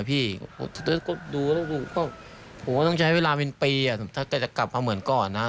ผมก็ต้องใช้เวลาเป็นปีอ่ะถ้าจะกลับมาเหมือนก่อนนะ